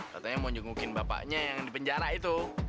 katanya mau jungukin bapaknya yang di penjara itu